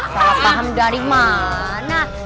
salah paham dari mana